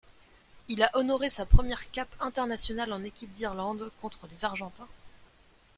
Il a honoré sa première cape internationale en équipe d'Irlande le contre les Argentins.